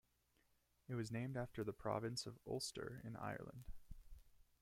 It was named after the province of Ulster in Ireland.